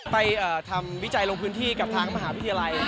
ไปทำวิจัยลงพื้นที่กับทางมหาวิทยาลัย